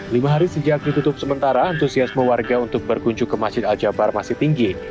lima hari sejak ditutup sementara antusiasme warga untuk berkunjung ke masjid al jabar masih tinggi